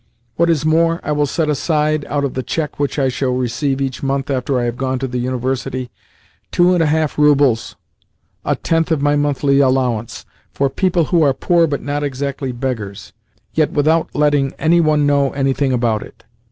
What is more, I will set aside, out of the cheque which I shall receive each month after I have gone to the University, two and a half roubles" (a tenth of my monthly allowance) "for people who are poor but not exactly beggars, yet without letting any one know anything about it.